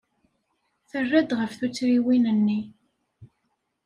Terra-d ɣef tuttriwin-nni.